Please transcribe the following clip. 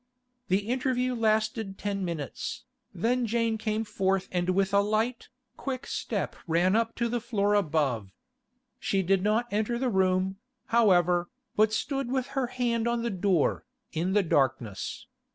The interview lasted ten minutes, then Jane came forth and with a light, quick step ran up to the floor above. She did not enter the room, however, but stood with her hand on the door, in the darkness.